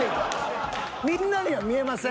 みんなには見えません。